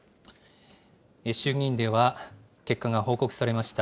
衆議院では結果が報告されました。